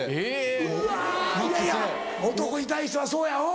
うわいやいや男に対してはそうやうん。